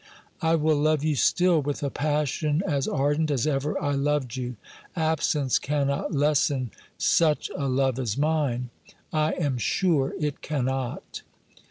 I will love you still with a passion as ardent as ever I loved you. Absence cannot lessen such a love as mine: I am sure it cannot.